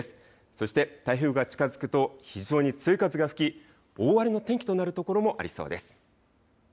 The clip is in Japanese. そして台風が近づくと非常に強い風が吹き大荒れの天気となる所もありそうです。